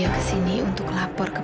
bagi rupanya indo sebagai para jurutera